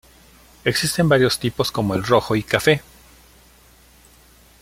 Existen varios tipos como el rojo y cafe.